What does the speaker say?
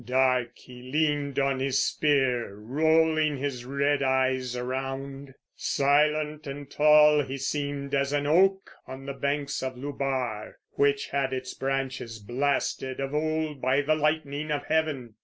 Dark he leaned on his spear rolling his red eyes around. Silent and tall he seemed as an oak on the banks of Lubar, which had its branches blasted of old by the lightning of heaven.